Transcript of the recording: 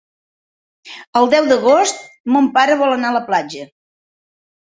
El deu d'agost mon pare vol anar a la platja.